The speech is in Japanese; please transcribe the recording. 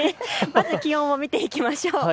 まず気温を見ていきましょう。